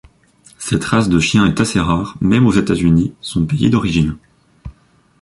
Cette race de chien est assez rare, même aux États-Unis, son pays d’origine.